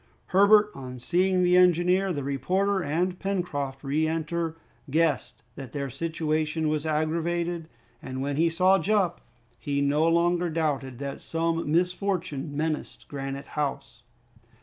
Herbert, on seeing the engineer, the reporter, and Pencroft re enter, guessed that their situation was aggravated, and when he saw Jup, he no longer doubted that some misfortune menaced Granite House.